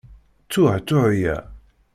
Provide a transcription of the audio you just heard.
Ttuh ttuheya.